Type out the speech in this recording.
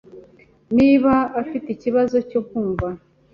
Niba afite ikibazo cyo kumva.